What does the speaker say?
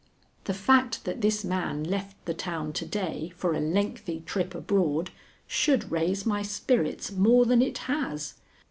The fact that this man left the town to day for a lengthy trip abroad should raise my spirits more than it has.